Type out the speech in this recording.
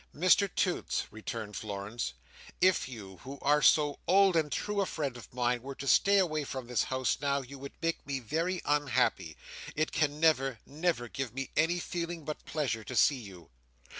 "Mr Toots," returned Florence, "if you, who are so old and true a friend of mine, were to stay away from this house now, you would make me very unhappy. It can never, never, give me any feeling but pleasure to see you.